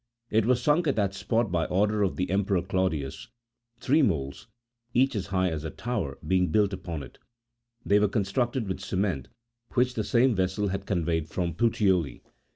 It was sunk at that spot by order of the Emperor Claudius, three moles, each as high as a tower, being built upon it ; they were constructed with cement21 which the same vessel had conveyed from Puteoli.